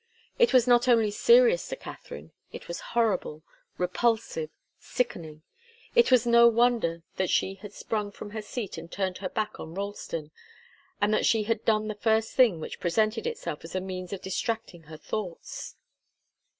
It was not only serious to Katharine; it was horrible, repulsive, sickening. It was no wonder that she had sprung from her seat and turned her back on Ralston, and that she had done the first thing which presented itself as a means of distracting her thoughts.